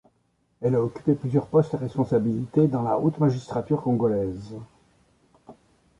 Elle a occupé plusieurs postes à responsabilité dans la haute magistrature congolaise.